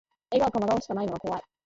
笑顔か真顔しかないのが怖い